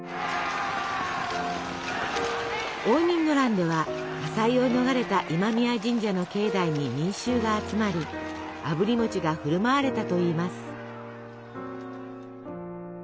応仁の乱では火災を逃れた今宮神社の境内に民衆が集まりあぶり餅が振る舞われたといいます。